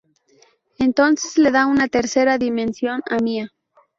Entonces le da una tercera dimensión a Mía""-.